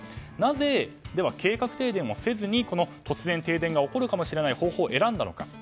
なぜ計画停電をせずに突然停電が起こるかもしれない方法を選んだのか。